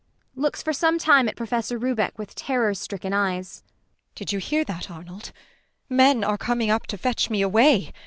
[Looks for some time at PROFESSOR RUBEK with terror stricken eyes.] Did you hear that, Arnold? men are coming up to fetch me away!